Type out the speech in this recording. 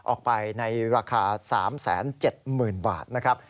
ออกไปในราคา๓๗๐๐๐บาทนะครับ